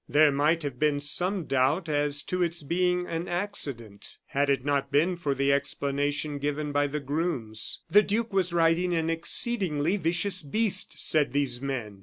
There might have been some doubt as to its being an accident, had it not been for the explanation given by the grooms. "The duke was riding an exceedingly vicious beast," said these men.